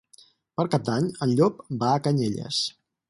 Per Cap d'Any en Llop va a Canyelles.